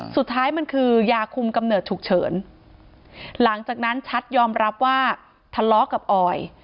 สุดท้ายมันคือยาคุมกำเนิดฉุกเฉินหลังจากนั้นชัดยอมรับว่าทะเลาะกับออย